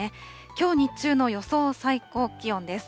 きょう日中の予想最高気温です。